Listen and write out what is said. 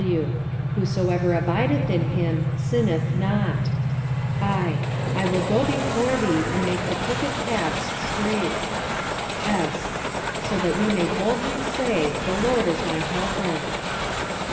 W Whosoever abideth in Him, sinneth not. I I will go before thee, and make the crooked paths straight. S So that we may boldly say, The Lord is my helper."